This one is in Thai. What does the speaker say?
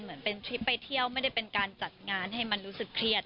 เหมือนเป็นทริปไปเที่ยวไม่ได้เป็นการจัดงานให้มันรู้สึกเครียด